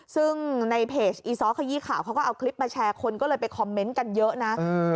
ซึ่งในเพจอีซ้อขยี้ข่าวเขาก็เอาคลิปมาแชร์คนก็เลยไปคอมเมนต์กันเยอะนะ